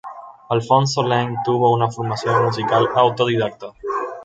Alfonso Leng tuvo una formación musical autodidacta.